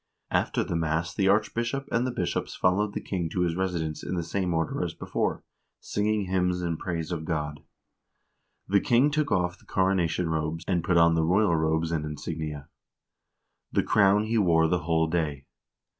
After the mass the archbishop and the bishops followed the king to his residence in the same order as before, singing hymns in praise of God. The king took off the coronation robes, and put on the royal robes and insignia. The crown he wore the whole day.